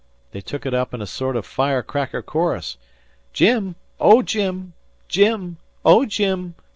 They took it up in a sort of firecracker chorus: "Jim! O Jim! Jim! O Jim!